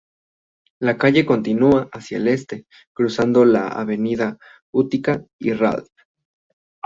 La calle continúa hacia el este, cruzando las avenidas Utica y Ralph.